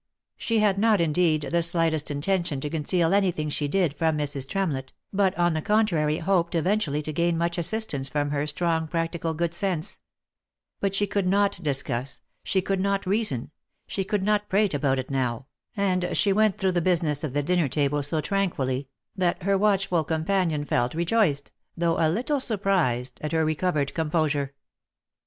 She had not indeed the slightest intention to conceal any thing she did from Mrs. Tremlett, but on the contrary hoped eventually to gain much assistance from her strong practical good sense ; but she could not discuss, she could not reason, she could not prate about it now, and she went through the busi ness of the dinner table so tranquilly, that her watchful companion felt rejoiced, though a little surprised, at her recovered composure.